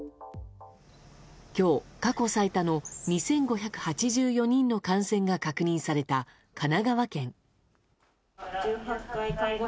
今日、過去最多の２５８４人の感染が確認された神奈川県。